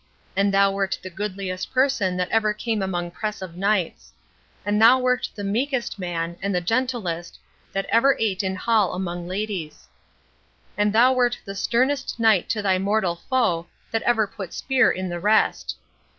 And thou wert the goodliest person that ever came among press of knights. And thou wert the meekest man, and the gentlest, that ever ate in hall among ladies. And thou wert the sternest knight to thy mortal foe that ever put spear in the rest."